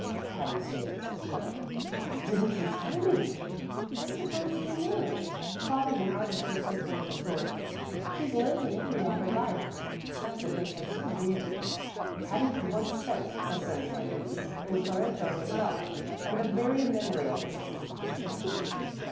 Patty stared. "Why didn't you tell me?" "I supposed you knew it. Her father's an artist or something of the sort. She's lived in Italy all her life; that's what makes her so queer." Patty had once spent a sunshiny week in Sorrento herself, and the very memory of it was intoxicating.